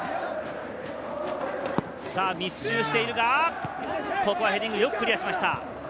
密集しているが、ヘディングよくクリアしました。